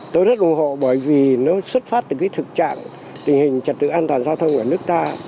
tôi rất ủng hộ bởi vì nó xuất phát từ cái thực trạng tình hình trật tự an toàn giao thông ở nước ta